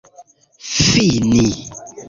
fini